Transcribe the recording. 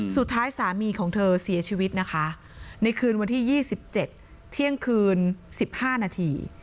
สุดท้ายสามีของเธอเสียชีวิตในคืนวันที่๒๗เที่ยงคืน๑๕นาที